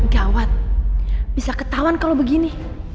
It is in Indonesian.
gawat bisa ketahuan kalau begini